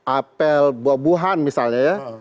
apel buahan misalnya ya